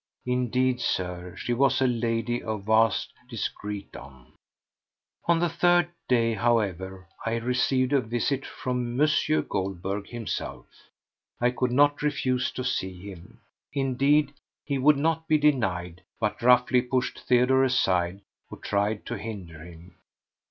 Indeed, Sir, she was a lady of vast discretion. On the third day, however, I received a visit from M. Goldberg himself. I could not refuse to see him. Indeed, he would not be denied, but roughly pushed Theodore aside, who tried to hinder him.